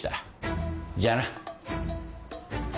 じゃあな。